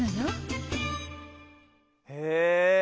へえ。